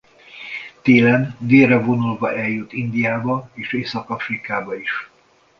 Télen délre vonulva eljut Indiába és Észak-Afrikába is.